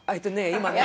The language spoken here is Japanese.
今ね